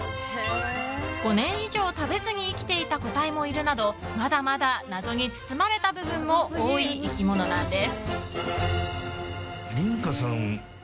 ５年以上食べずに生きていた個体もいるなどまだまだ謎に包まれた部分も多い生き物なんです。